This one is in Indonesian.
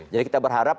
jadi kita berharap